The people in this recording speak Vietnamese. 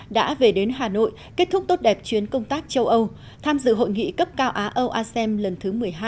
đã về đến hà nội kết thúc tốt đẹp chuyến công tác châu âu tham dự hội nghị cấp cao á âu asem lần thứ một mươi hai